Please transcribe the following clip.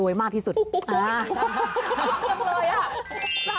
โอเคโอเคโอเค